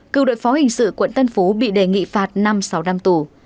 cựu đội phó hình sự quận tân phú bị đề nghị phạt năm sáu năm tù